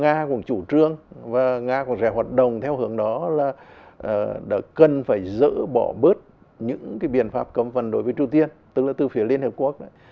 nga cũng chủ trương và nga cũng sẽ hoạt động theo hướng đó là đã cần phải dỡ bỏ bớt những cái biện pháp cấm vận đối với triều tiên tức là từ phía liên hợp quốc